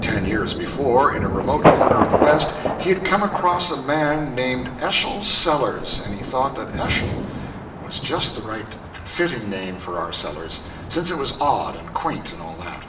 Ten years before, in a remote corner of the West, he had come across a man named Eschol Sellers, and he thought that Eschol was just the right and fitting name for our Sellers, since it was odd and quaint and all that.